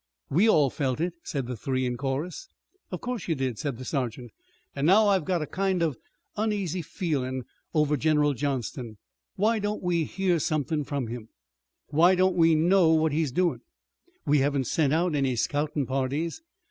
"We all felt it," said the three in chorus. "Of course you did," said the sergeant, "an' now I've got a kind of uneasy feelin' over General Johnston. Why don't we hear somethin' from him? Why don't we know what he's doin'? We haven't sent out any scoutin' parties.